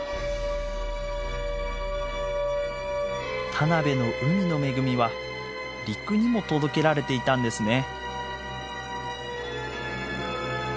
田辺の海の恵みは陸にも届けられていたんですね。